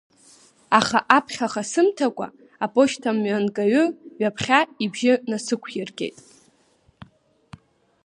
Аха аԥхьаха сымҭакәа, аԥошьҭамҩангаҩы ҩаԥхьа ибжьы насықәиргеит…